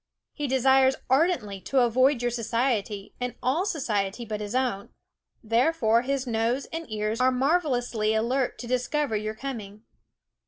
He desires ardently to avoid your society and all soci ety but his own; therefore his nose and ears are marvelously alert to discover your com ing.